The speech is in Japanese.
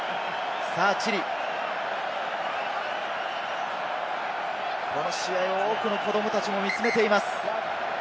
さぁチリ、この試合、多くの子どもたちも見つめています。